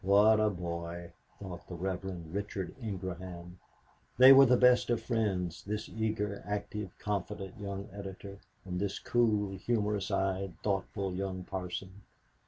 "What a boy!" thought the Reverend Richard Ingraham. They were the best of friends, this eager, active, confident young editor and this cool, humorous eyed, thoughtful young parson.